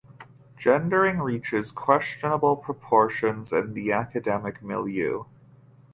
Gendering reaches questionable proportions in the academic milieu.